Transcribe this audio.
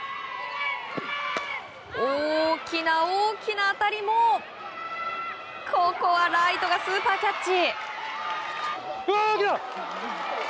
大きな大きな当たりもここはライトがスーパーキャッチ！